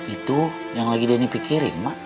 itu yang lagi denny pikirin mak